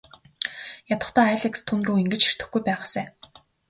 Ядахдаа Алекс түүнрүү ингэж ширтэхгүй байгаасай.